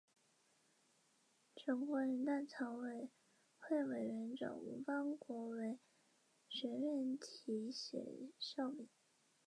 圆芽箭竹为禾本科箭竹属下的一个种。